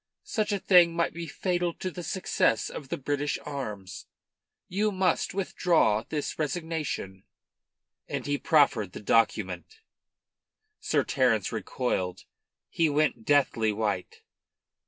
Such a thing might be fatal to the success of the British arms. You must withdraw this resignation." And he proffered the document. Sir Terence recoiled. He went deathly white.